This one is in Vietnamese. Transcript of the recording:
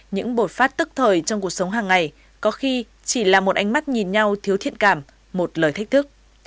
những bột phát tức thời trong cuộc sống hàng ngày có khi chỉ là một ánh mắt nhìn nhau thiếu thiện cảm một lời thách thức